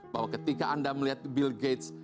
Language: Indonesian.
bahwa ketika anda melihat bill gates